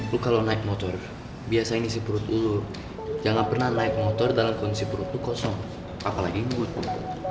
lu kalau naik motor biasanya isi perut dulu jangan pernah naik motor dalam kondisi perut lu kosong apalagi buat boy